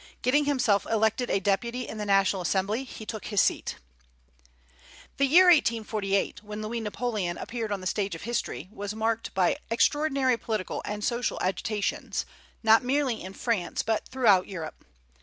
Getting himself elected a deputy in the National Assembly, he took his seat. The year 1848, when Louis Napoleon appeared on the stage of history, was marked by extraordinary political and social agitations, not merely in France but throughout Europe.